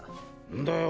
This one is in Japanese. んだよ